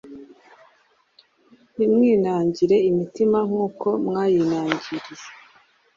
Ntimwinangire imitima Nk uko mwayinangiriye